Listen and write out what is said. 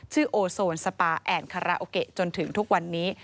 โอโซนสปาแอนดคาราโอเกะจนถึงทุกวันนี้